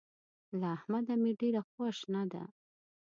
له احمده مې ډېره خواشنه ده.